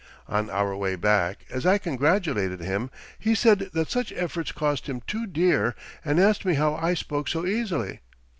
On our way back, as I congratulated him, he said that such efforts cost him too dear, and asked me how I spoke so easily.